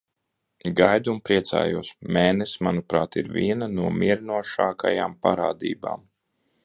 Gaidu un priecājos. Mēness, manuprāt, ir viena no mierinošākajām parādībām.